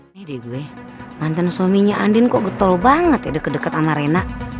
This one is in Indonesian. sampai jumpa di video selanjutnya